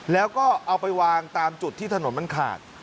แล้วก็เอาไปวางตามจุดที่ถนนมันขาด